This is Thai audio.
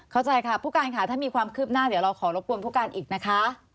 เข้าใจค่ะผู้การค่ะถ้ามีความคืบหน้าเดี๋ยวเราขอรบกวนผู้การอีกนะคะ